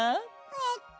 えっと。